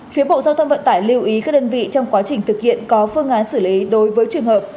phía bộ giao thông vận tải lưu ý các đơn vị trong quá trình thực hiện có phương án xử lý đối với trường hợp